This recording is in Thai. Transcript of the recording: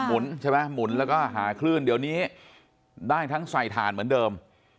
หุนใช่ไหมหมุนแล้วก็หาคลื่นเดี๋ยวนี้ได้ทั้งใส่ถ่านเหมือนเดิม